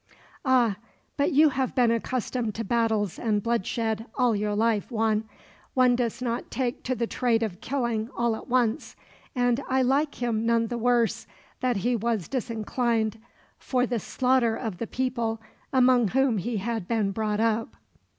"Ah, but you have been accustomed to battles and bloodshed all your life, Juan. One does not take to the trade of killing all at once, and I like him none the worse that he was disinclined for the slaughter of the people among whom he had been brought up."